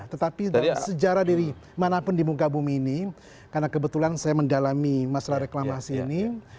tetapi sejarah dari manapun di muka bumi ini karena kebetulan saya mendalami masalah reklamasi ini